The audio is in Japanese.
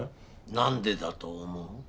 なんでだと思う？